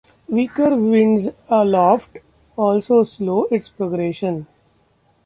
Weaker winds aloft also slow its progression.